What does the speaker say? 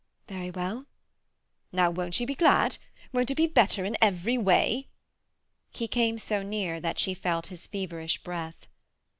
"Very well." "Now, won't you be glad? Won't it be better in every way?" He came so near that she felt his feverish breath.